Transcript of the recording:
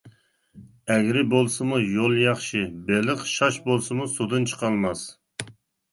ئەگرى بولسىمۇ يول ياخشى، بېلىق شاش بولسىمۇ سۇدىن چىقالماس.